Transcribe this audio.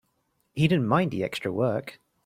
He didn't mind the extra work.